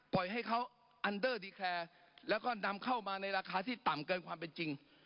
ปล่อยให้เขาอันเดอร์ดีแคร์แล้วก็นำเข้ามาในราคาที่ต่ำเกินความเป็นจริง